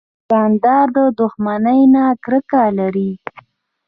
دوکاندار له دښمنۍ نه کرکه لري.